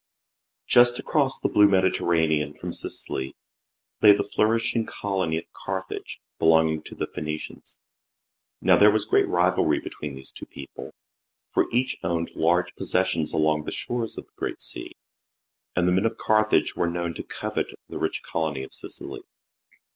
JUST across the blue Mediterranean from Sicily, lay the flourishing colony of Carthage, belonging to the Phoenicians. Now there was great rivalry between these two people, for each owned large possessions along the shores of the Great Sea, and the men of Carthage were known to covet the rich colony of Sicily.